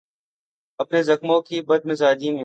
اپنے زخموں کی بد مزاجی میں